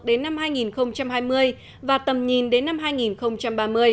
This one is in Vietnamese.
đến năm hai nghìn hai mươi và tầm nhìn đến năm hai nghìn ba mươi